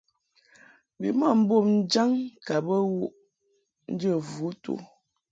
Bimɔʼ mbom jaŋ ka bə wuʼ njə vutu.